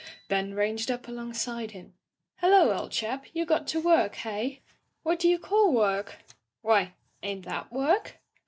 Ben ranged up alongside him. Hello^ old chapf you got to worky hey?* '''What do you call work?' "'Why, ain't that work?'